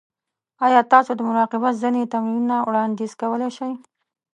ایا تاسو د مراقبت ځینې تمرینونه وړاندیز کولی شئ؟